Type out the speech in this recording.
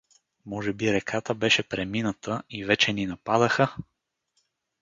Може би реката беше премината и вече ни нападаха?